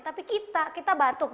tapi kita kita batuk